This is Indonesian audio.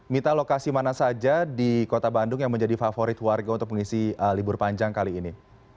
mita lokasi mana saja di kota bandung yang menjadi favorit warga untuk mengisi libur panjang kali ini